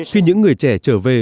khi những người trẻ trở về